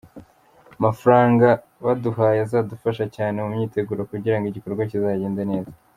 Amafaranga baduhaye azadufasha cyane mu myiteguro kugira ngo igikorwa kizagende neza.